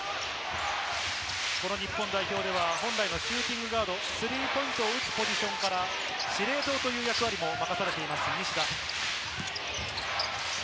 日本代表では本来のシューティングガード、スリーポイントを打つポジションから司令塔という役割も任されています、西田。